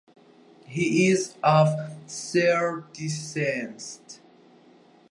He is of Serb descent.